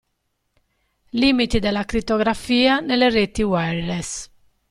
Limiti della crittografia nelle reti wireless.